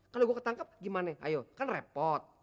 kalau gue ketangkep gimana ayo kan repot